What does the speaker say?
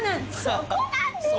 そこなんですよ！